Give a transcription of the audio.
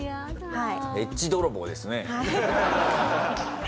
はい。